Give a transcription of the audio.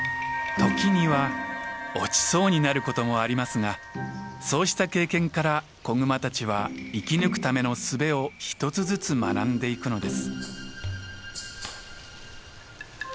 時には落ちそうになることもありますがそうした経験から子グマたちは生き抜くための術を一つずつ学んでいくのです。